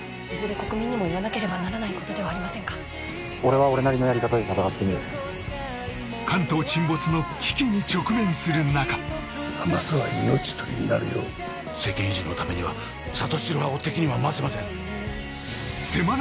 国民にも言わなければならないことではありませんか俺は俺なりのやり方で戦ってみる関東沈没の危機に直面する中甘さは命取りになるよ政権維持のためには里城派を敵には回せません